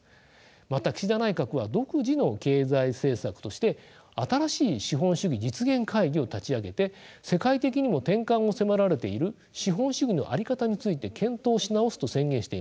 また岸田内閣は独自の経済政策として新しい資本主義実現会議を立ち上げて世界的にも転換を迫られている資本主義の在り方について検討し直すと宣言しています。